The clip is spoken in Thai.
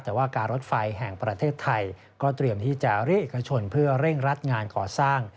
แต่ว่าการรถไฟแห่งประเทศไทยก็เตรียมที่จะเรียกเอกชนเพื่อเร่งรัดงานก่อสร้าง